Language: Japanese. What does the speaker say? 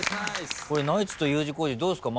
これナイツとＵ字工事どうすか？